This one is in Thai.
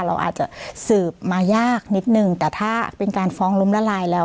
เราอาจจะสืบมายากนิดนึงแต่ถ้าเป็นการฟ้องล้มละลายแล้ว